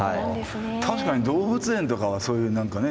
確かに動物園とかはそういう何かね